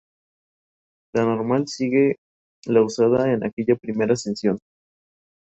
Qian Lin fue contratada por una televisión China.